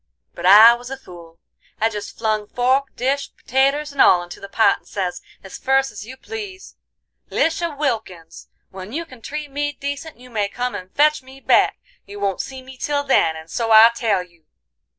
But I was a fool. I jest flung fork, dish, pertaters and all into the pot, and says, as ferce as you please: "'Lisha Wilkins, when you can treat me decent you may come and fetch me back; you won't see me till then, and so I tell you.